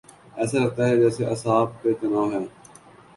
ایسا لگتاہے جیسے اعصاب پہ تناؤ ہے۔